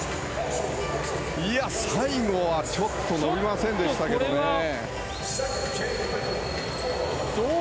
最後はちょっと伸びませんでしたけどね。